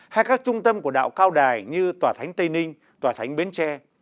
hay các trung tâm của đạo cao đài như tòa thánh tây ninh tòa thánh bến tre